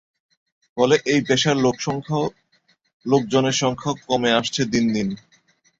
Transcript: ফলে এই পেশার লোকজনের সংখ্যাও কমে আসছে দিন দিন।